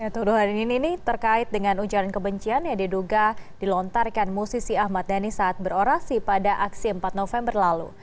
tuduhan ini terkait dengan ujaran kebencian yang diduga dilontarkan musisi ahmad dhani saat berorasi pada aksi empat november lalu